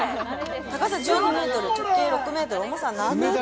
高さ１２メートル直径６メートル、重さ７トン！？